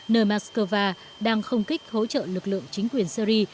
nơi moscow đang không kích hỗ trợ lực lượng chính quyền syri